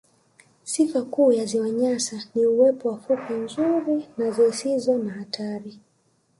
Sifa kuu ya ziwa Nyasa ni uwepo wa fukwe nzuri na zisizo za hatari